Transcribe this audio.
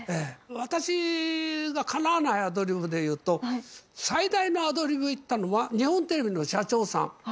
私がかなわないアドリブでいうと、最大のアドリブ言ったのは、日本テレビの社長さん。